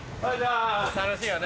楽しいよね。